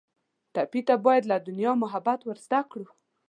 ټپي ته باید له دنیا محبت ور زده کړو.